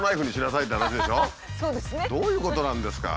どういうことなんですか？